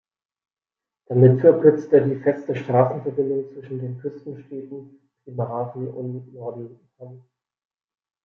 Damit verkürzt er die feste Straßenverbindung zwischen den Küstenstädten Bremerhaven und Nordenham.